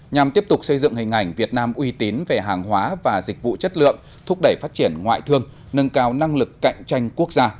nhằm tiếp tục xây dựng hình ảnh việt nam uy tín về hàng hóa và dịch vụ chất lượng thúc đẩy phát triển ngoại thương nâng cao năng lực cạnh tranh quốc gia